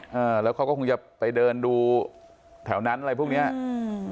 อ่าแล้วเขาก็คงจะไปเดินดูแถวนั้นอะไรพวกเนี้ยอืม